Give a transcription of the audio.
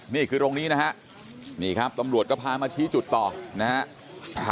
นี่คือตรงนี้นะฮะนี่ครับตำรวจก็พามาชี้จุดต่อนะฮะ